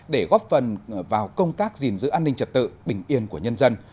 để góp phần vào công tác gìn giữ an ninh trật tự bình yên của nhân dân